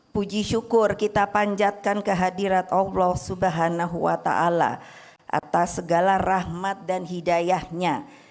puji syukur kita panjatkan kehadirat allah swt atas segala rahmat dan hidayahnya